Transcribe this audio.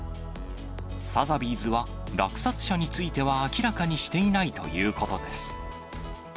サザビーズは、落札者については明らかにしていないということです。